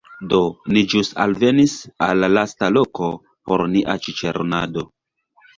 Do, ni ĵus alvenis al la lasta loko por nia ĉiĉeronado